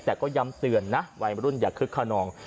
แต่ก็ย้ำเตือนนะวัยรุ่นอย่าคึกขนอง